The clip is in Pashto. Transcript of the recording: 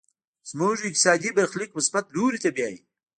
زموږ اقتصادي برخليک مثبت لوري ته بيايي.